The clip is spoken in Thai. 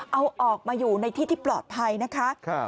เอาออกมาอยู่ในที่ที่ปลอดภัยนะคะ